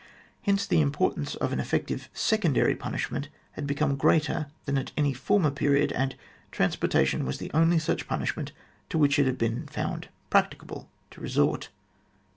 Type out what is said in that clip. Hence the importance of an effective secondary punishment had become greater than at any former period, and transportation was the only such punishment to which it had been found practicable to resort.